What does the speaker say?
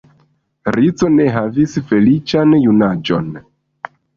Rico ne havis feliĉan junaĝon.